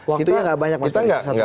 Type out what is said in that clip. waktunya nggak banyak masalah